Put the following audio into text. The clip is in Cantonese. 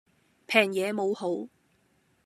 平嘢冇好